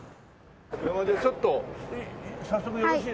ちょっと早速よろしいですか？